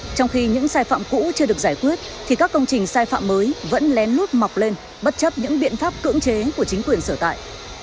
trong khi những sai phạm cũ chưa được giải quyết thì các công trình sai phạm mới vẫn lén lút mọc lên bất chấp những biện pháp cưỡng chế của chính quyền sở tại